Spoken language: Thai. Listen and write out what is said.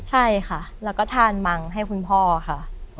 ใช่ค่ะแล้วก็ทานมังให้คุณพ่อค่ะ